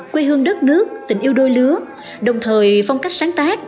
quê hương đất nước tình yêu đôi lứa đồng thời phong cách sáng tác